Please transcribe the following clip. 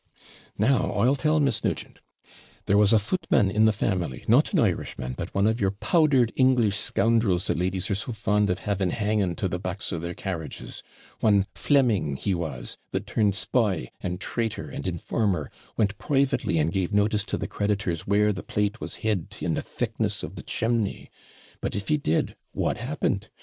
'Now I'll tell Miss Nugent. There was a footman in the family, not an Irishman, but one of your powdered English scoundrels that ladies are so fond of having hanging to the backs of their carriages; one Fleming he was, that turned spy, and traitor, and informer, went privately and gave notice to the creditors where the plate was hid in the thickness of the chimney; but if he did, what happened!